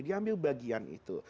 dia ambil bagian itu